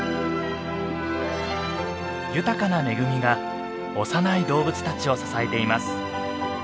豊かな恵みが幼い動物たちを支えています。